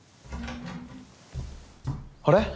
あれ？